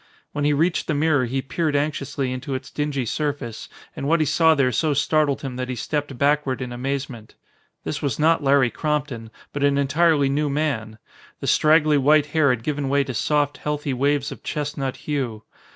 When he reached the mirror he peered anxiously into its dingy surface and what he saw there so startled him that he stepped backward in amazement. This was not Larry Crompton, but an entirely new man. The straggly white hair had given way to soft, healthy waves of chestnut hue.